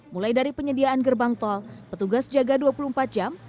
mulai dari penyediaan gerbang tol petugas jaga dua puluh empat jam